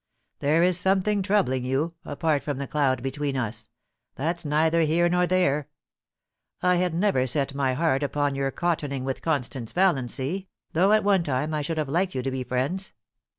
There is something troubling you, apart from the cloud between us — that's neither here nor there. I had never set my heart upon your cottoning with Constance Valiancy, though at one time I should have liked you to be friends.